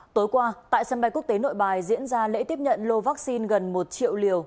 tối qua tại sân bay quốc tế nội bài diễn ra lễ tiếp nhận lô vaccine gần một triệu liều